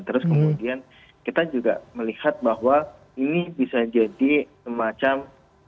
terus kemudian kita juga melihat bahwa ini bisa jadi semacam